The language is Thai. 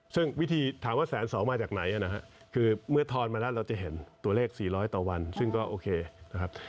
ซึ่งวิธีถามว่า๑๒๐๐มาจากไหนนะครับคือเมื่อทอนมาแล้วเราจะเห็นตัวเลข๔๐๐ต่อวันซึ่งก็โอเคนะครับ